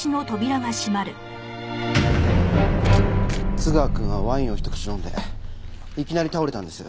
津川くんはワインをひと口飲んでいきなり倒れたんです。